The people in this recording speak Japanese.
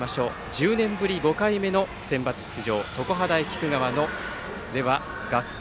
１０年ぶり５回目のセンバツ出場常葉大菊川の学校